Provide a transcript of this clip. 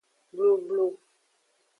Blublu.